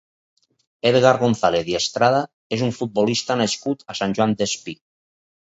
Edgar González i Estrada és un futbolista nascut a Sant Joan Despí.